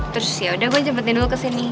terus ya udah gue jempetin dulu ke sini